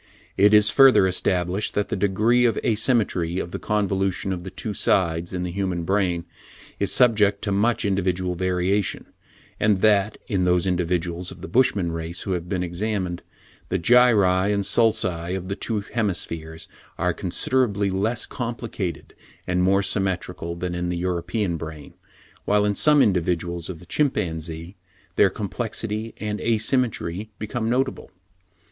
It is further established, that the degree of asymmetry of the convolution of the two sides in the human brain is subject to much individual variation; and that, in those individuals of the Bushman race who have been examined, the gyri and sulci of the two hemispheres are considerably less complicated and more symmetrical than in the European brain, while, in some individuals of the chimpanzee, their complexity and asymmetry become notable.